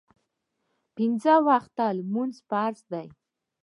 پینځه وخته لمونځ فرض دی